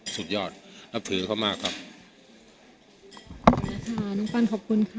สุดยอดนับถือเขามากครับค่ะน้องปั้นขอบคุณค่ะ